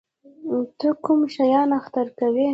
ته کوم شیان اختر کوې؟